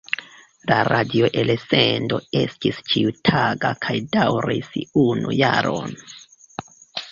La radio-elsendo estis ĉiutaga kaj daŭris unu jaron.